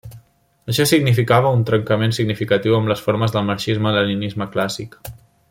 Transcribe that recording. Això significava un trencament significatiu amb les formes del marxisme-leninisme clàssic.